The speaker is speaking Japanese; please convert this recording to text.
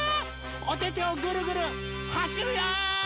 おててをぐるぐるはしるよ！